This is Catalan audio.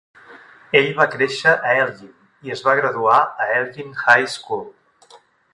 Ell va créixer a Elgin i es va graduar a Elgin High School.